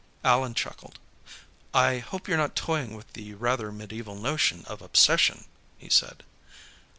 Allan chuckled. "I hope you're not toying with the rather medieval notion of possession," he said.